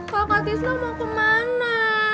kakak tisna mau kemana